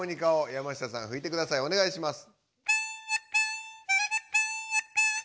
おねがいします。